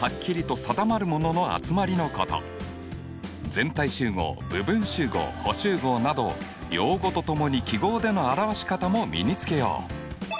全体集合部分集合補集合など用語とともに記号での表し方も身につけよう。